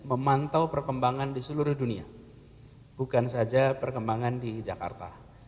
memantau perkembangan di seluruh dunia bukan saja perkembangan di jakarta